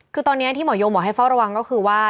คือตอนนี้ที่หมอยงบอกให้เฝ้าระวังก็คือว่า